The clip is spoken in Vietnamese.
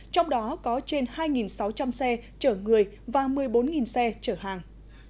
trong đó có trên hai sáu trăm linh xe chở người và một mươi bốn xe chở hàng